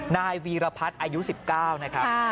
นายวีรพัฒน์อายุ๑๙นะครับ